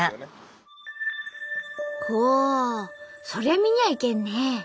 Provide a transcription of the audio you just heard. そりゃ見にゃいけんね。